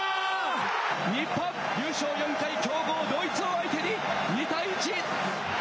日本、優勝４回、強豪、ドイツを相手に、２対１。